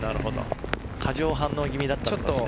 過剰反応気味だったんですね。